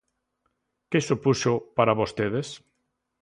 Que supuxo para vostedes?